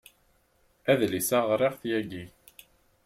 Adlis-a ɣriɣ-t yagi.